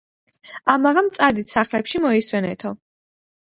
ამაღამ წადით სახლებში მოისვენეთო